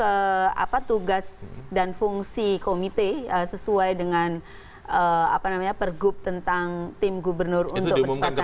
apa tugas dan fungsi komite sesuai dengan pergub tentang tim gubernur untuk percepatan